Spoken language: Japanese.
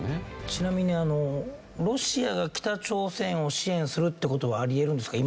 ちなみにロシアが北朝鮮を支援するって事はあり得るんですか？